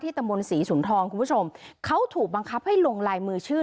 ตะมนต์ศรีสุนทองคุณผู้ชมเขาถูกบังคับให้ลงลายมือชื่อ